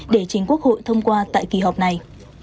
để chính quốc hội thông qua tại kỳ họp này